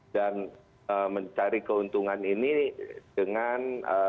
dan mencari keuntungan ini dengan